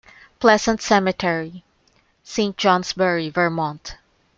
Pleasant Cemetery, Saint Johnsbury, Vermont.